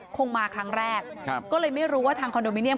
คงมาครั้งแรกก็เลยไม่รู้ว่าทางคอนโดมิเนียม